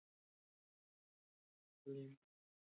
اقلیم بدلون دا ستونزه زیاته کړې ده.